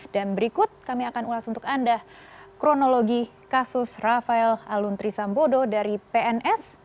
dan berikut kami akan ulas untuk anda kronologi kasus rafael aluntri sambodo dari pns